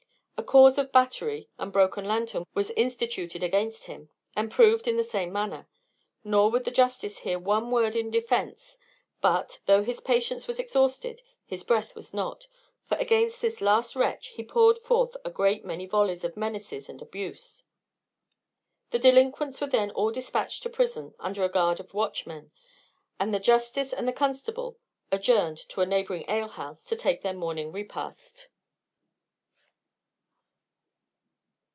A cause of battery and broken lanthorn was instituted against him, and proved in the same manner; nor would the justice hear one word in defence; but, though his patience was exhausted, his breath was not; for against this last wretch he poured forth a great many volleys of menaces and abuse. The delinquents were then all dispatched to prison under a guard of watchmen, and the justice and the constable adjourned to a neighbouring alehouse to take their morning repast.